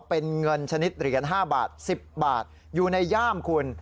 เป็นเงินชนิดเหรียญ๕บาท๑๐บาทอยู่ในย่ามคุณ